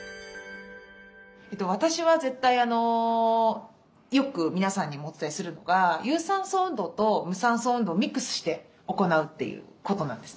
私は絶対よく皆さんにもお伝えするのが有酸素運動と無酸素運動をミックスして行うということなんですね。